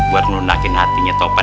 buat nelunakin hatinya topan